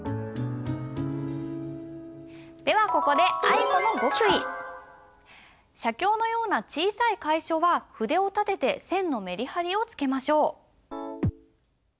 ではここで写経のような小さい楷書は筆を立てて線のメリハリをつけましょう。